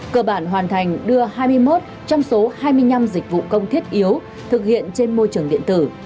cơ bản hoàn thành đưa hai mươi một trong số hai mươi năm dịch vụ công thiết yếu thực hiện trên môi trường điện tử